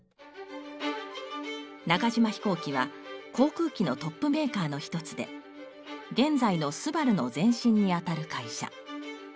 中島飛行機は航空機のトップメーカーの一つで現在のスバルの前身にあたる会社。